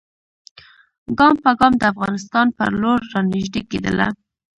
ګام په ګام د افغانستان پر لور را نیژدې کېدله.